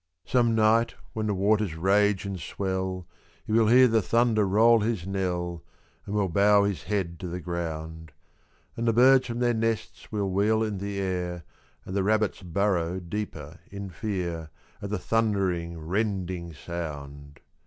Some night, when the waters rage and swell, He will hear the thunder roll his knell, And will bow his head to the ground; And the birds from their nests will wheel in the air, And the rabbits burrow deeper in fear, At the thundering, rending sound.